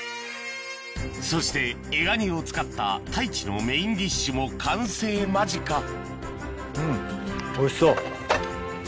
そしてエガニを使った太一のメインディッシュも完成間近うん。